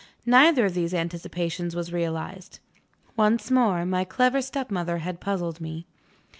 Neither of these anticipations was realized. Once more, my clever stepmother had puzzled me.